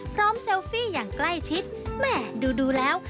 เซลฟี่อย่างใกล้ชิดแหม่ดูแล้ว